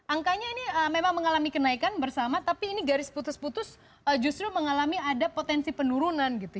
angkanya ini memang mengalami kenaikan bersama tapi ini garis putus putus justru mengalami ada potensi penurunan gitu